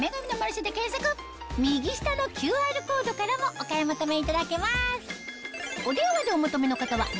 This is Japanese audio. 右下のＱＲコードからもお買い求めいただけます